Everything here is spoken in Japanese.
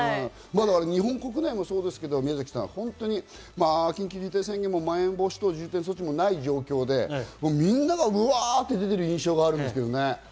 日本国内もそうですけど、緊急事態宣言もまん延防止等重点措置もない状況で、みんなが出ている印象があるんですけどね。